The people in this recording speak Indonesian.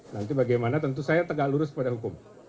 nanti bagaimana tentu saya tegak lurus pada hukum